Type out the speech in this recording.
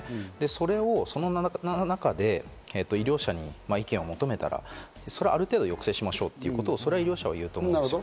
それをその中で医療者に意見を求めたら、そりゃある程度抑制しましょうということを医療者は言うと思います。